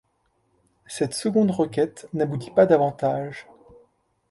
Cette seconde requête n'aboutit pas davantage.